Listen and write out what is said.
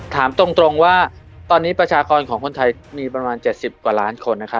ถามตรงว่าตอนนี้ประชากรของคนไทยมีประมาณ๗๐กว่าล้านคน